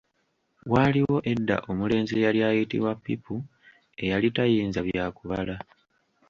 Waaliwo edda omulenzi eyali ayitibwa Pipu eyali tayinza bya kubala.